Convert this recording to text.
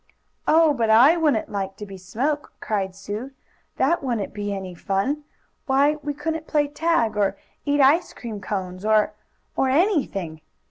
"Oh, but I wouldn't like to be smoke!" cried Sue. "That wouldn't be any fun. Why we couldn't play tag, or eat ice cream cones or or anything.